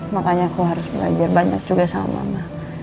makanya aku harus belajar banyak juga sama mama